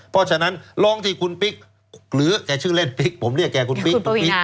เพราะฉะนั้นร้องที่คุณปิ๊กหรือแกชื่อเล่นปิ๊กผมเรียกแกคุณปิ๊กคุณปิ๊ก